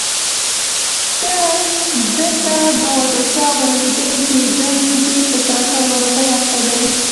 ده ته دا وسوسه ور لوېدلې چې ګني دی په سرطان ناروغۍ اخته دی.